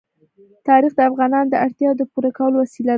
تاریخ د افغانانو د اړتیاوو د پوره کولو وسیله ده.